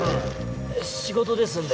仕事ですんで。